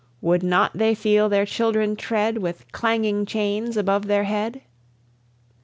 Would not they feel their children tread, With clanging chains, above their head?